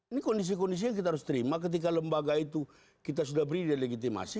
ini kondisi kondisi yang kita harus terima ketika lembaga itu kita sudah beri delegitimasi